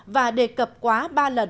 và đề cập quá ba lần sẽ bị coi là ác ý